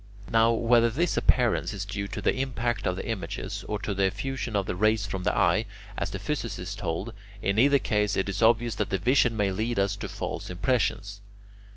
Now whether this appearance is due to the impact of the images, or to the effusion of the rays from the eye, as the physicists hold, in either case it is obvious that the vision may lead us to false impressions.